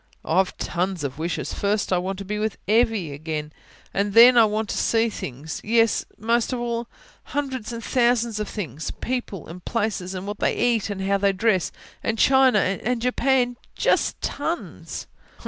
"Wish? ... oh, I've tons of wishes. First I want to be with Evvy again. And then, I want to see things yes, that most of all. Hundreds and thousands of things. People, and places, and what they eat, and how they dress, and China, and Japan ... just tons."